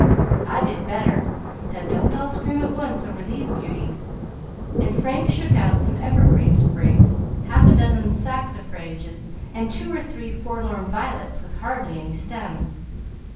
"I did better. Now, don't all scream at once over these beauties;" and Frank shook out some evergreen sprigs, half a dozen saxifrages, and two or three forlorn violets with hardly any stems.